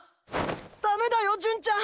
ダメだよ純ちゃん！！